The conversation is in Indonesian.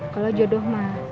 kalau jodoh mah